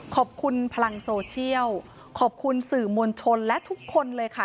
ขอบคุณพลังโซเชียลขอบคุณสื่อมวลชนและทุกคนเลยค่ะ